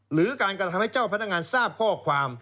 หรือการกระทำให้เจ้าพนักงานทราบข้อความ